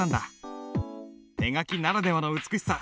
手書きならではの美しさ